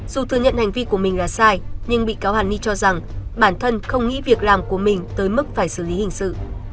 dù thừa nhận hành vi của mình là sai nhưng bị cáo hàn ni cho rằng bản thân không nghĩ việc làm của mình tới mức phải xử lý hình sự